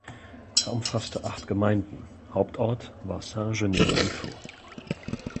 Er umfasste acht Gemeinden, Hauptort war Saint-Genest-Malifaux.